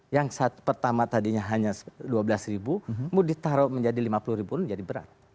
yang pertama tadinya hanya dua belas ribu mau ditaruh menjadi lima puluh ribu menjadi berat